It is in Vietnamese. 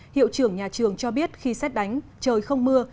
hiệu trưởng nhà trường cho biết khi xét đánh trời không mưa